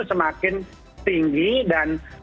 semakin tinggi dan